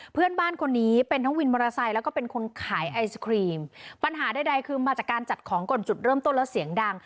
เพื่อนบ้านคนนี้เป็นทั้งวินมอเตอร์ไซค์แล้วก็เป็นคนขายไอศครีมปัญหาใดคือมาจากการจัดของก่อนจุดเริ่มต้นแล้วเสียงดัง